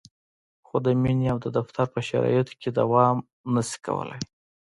خو د مینې او د دفتر په شرایطو کې دوام نشي کولای.